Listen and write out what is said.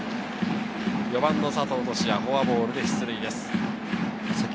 ４番の佐藤都志也、フォアボールで出塁です。